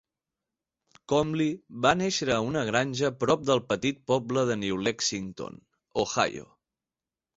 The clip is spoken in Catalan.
Comly va néixer a una granja prop del petit poble de New Lexington (Ohio).